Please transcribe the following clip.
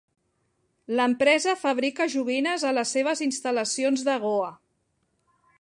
L'empresa fabrica joguines a les seves instal·lacions de Goa.